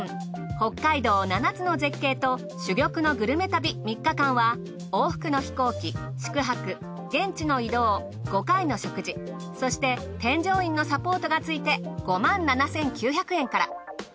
北海道７つの絶景と珠玉のグルメ旅３日間は往復の飛行機宿泊現地の移動５回の食事そして添乗員のサポートがついて５７，９００円から。